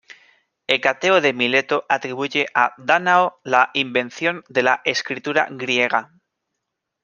Hecateo de Mileto atribuye a Dánao la invención de la escritura griega.